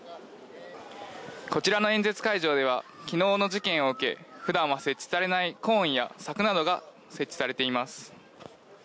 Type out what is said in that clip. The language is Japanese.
こちらの演説会場では昨日の事件を受け普段は設置されないコーンや柵などが設置されています。